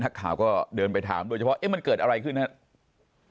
นักข่าวก็เดินไปถามโดยเฉพาะเอ๊ะมันเกิดอะไรขึ้นครับ